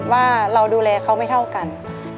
ว่าเราดูแลเขาไม่เท่ากัน